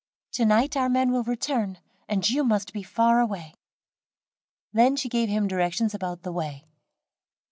"To night our men will return, and you must be far away." Then she gave him directions about the way.